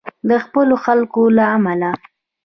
د خپلو خلکو له امله.